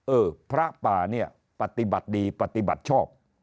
เออพระป่าเนี่ยปฏิบัติดีปฏิบัติชอบ